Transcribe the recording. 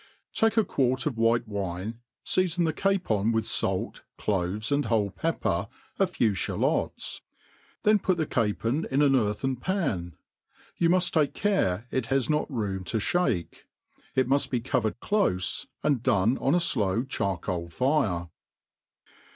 '^ TAKE a quart of whitc^wine, feafon the capon wfth falf^ cloves, and whole pepper, a few fhalots \ then put the capcm • in an earthen pan \ you muft take care it has not xikiA to Ihakei it muft be covered dofe, and done ori a fl0# chariMl' fire.